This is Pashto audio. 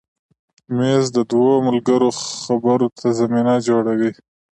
مېز د دوو ملګرو خبرو ته زمینه جوړوي.